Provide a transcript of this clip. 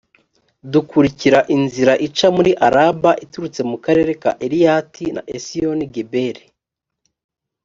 dukurikira inzira ica muri araba iturutse mu karere ka eliyati na esiyoni-geberi.